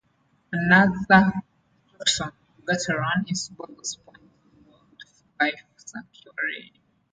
Another attraction of Gattaran is Bolos Point, a wildlife sanctuary.